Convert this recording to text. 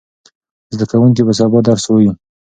زده کوونکي به سبا درس وایي.